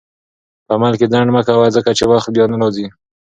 په عمل کې ځنډ مه کوه، ځکه چې وخت بیا نه راځي.